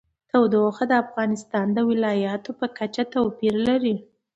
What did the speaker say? تودوخه د افغانستان د ولایاتو په کچه توپیر لري.